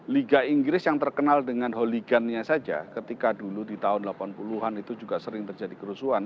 liga inggris yang terkenal dengan holigan nya saja ketika dulu di tahun delapan puluh an itu juga sering terjadi kerusuhan